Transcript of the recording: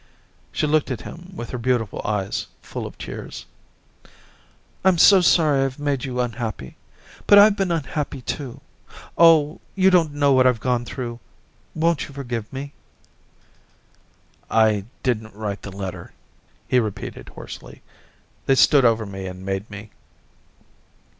She looked at him with her beautiful eyes full of tears. 'I'm so sorry I've made you unhappy. But I've been unhappy too — oh, you don't know what I've gone through! ... Won't you forgive me?' ' I didn't write the letter,' he repeated hoarsely ;* they stood over me and made me.'